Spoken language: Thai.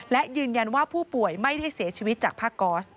และยืนยันว่าผู้ป่วยไม่ได้เสียชีวิตจากผ้าก๊อส